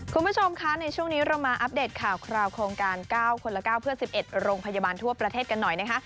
คุณผู้ชมคะในช่วงนี้เรามาอัปเดตข่าวคราวโครงการ๙คนละ๙เพื่อ๑๑โรงพยาบาลทั่วประเทศกันหน่อยนะคะ